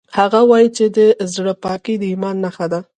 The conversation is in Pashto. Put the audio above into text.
هغه وایي چې د زړه پاکۍ د ایمان نښه ده